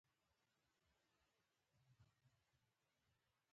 دوستي په دې توګه وښیي.